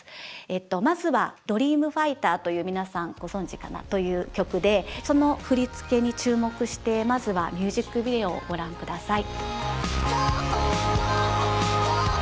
まずは「ＤｒｅａｍＦｉｇｈｔｅｒ」という皆さんご存じかな？という曲でその振付に注目してまずはミュージックビデオをご覧下さい。